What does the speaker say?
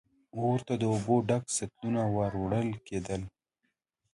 اور ته د اوبو ډک سطلونه ور وړل کېدل.